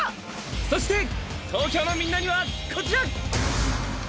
そして東京のみんなにはこちら！